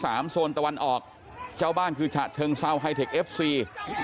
โซนตะวันออกเจ้าบ้านคือฉะเชิงเซาไฮเทคเอฟซี